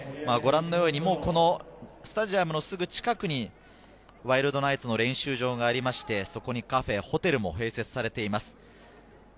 ご覧のようにスタジアムのすぐ近くにワイルドナイツの練習場がありまして、そこにカフェ、ホテルも併設されています。